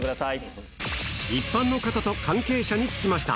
一般の方と関係者に聞きました。